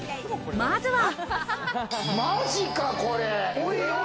まずは。